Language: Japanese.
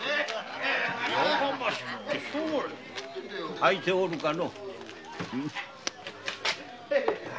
空いておるかの。